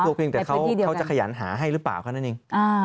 เพียงแต่เขาจะขยันหาให้หรือเปล่าแค่นั้นเอง